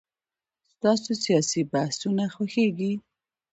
ستاسو سياسي بحثونه خوښيږي.